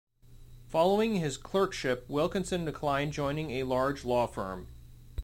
Following his clerkship, Wilkinson declined joining a large law firm.